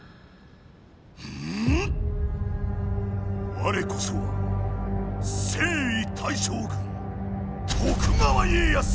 われこそは征夷大将軍徳川家康なり！